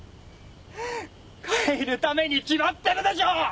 変えるために決まってるでしょう。